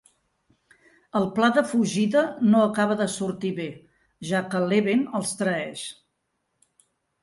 El pla de fugida no acaba de sortir bé, ja que l'Eben els traeix.